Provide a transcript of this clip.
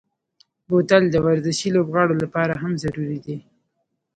بوتل د ورزشي لوبغاړو لپاره هم ضروري دی.